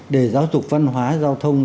để giáo dục văn hóa giao thông